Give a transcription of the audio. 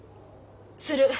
する。